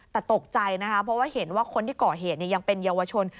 แต่ตกใจนะคะเพราะว่าเห็นว่าคนที่ก่อเหตุยังเป็นเยาวชน